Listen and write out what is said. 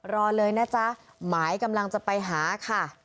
รอเลยนะจ๊ะหมายกำลังจะไปหาค่ะ